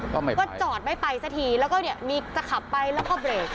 ก็จอดไม่ไปสักทีแล้วก็เนี่ยมีจะขับไปแล้วก็เบรก